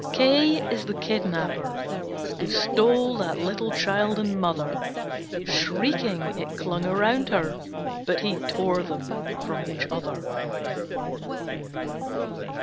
K K is the Kidnapper, who stole That little child and mother Shrieking, it clung around her, but He tore them from each other.